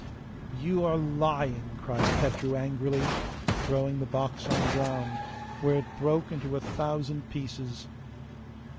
'You are lying!' cried Petru angrily, throwing the box on the ground, where it broke into a thousand pieces.